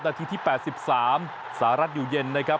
นาทีที่๘๓ศาลัทยูเย็นนะครับ